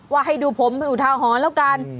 ว่าให้ดูผมเป็นอยู่ท้าหอนแล้วกัน